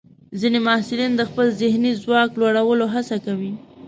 ځینې محصلین د خپل ذهني ځواک لوړولو هڅه کوي.